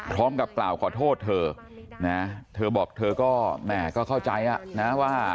พร้อมกับกล่าวขอโทษเธอนะเธอบอกเธอก็แหม่ก็เข้าใจอ่ะนะว่า